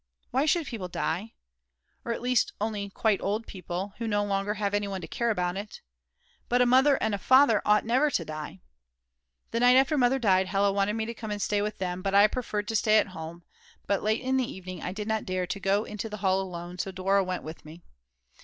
Why should people die? Or at least only quite old people, who no longer have anyone to care about it. But a mother and a father ought never to die. The night after Mother died Hella wanted me to come and stay with them, but I preferred to stay at home; but late in the evening I did not dare to go into the hall alone, so Dora went with me.